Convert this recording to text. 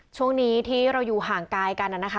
ช่วงนี้ที่เราอยู่ห่างกายกันนะคะ